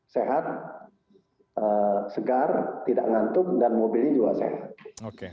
sehat segar tidak ngantuk dan mobilnya juga sehat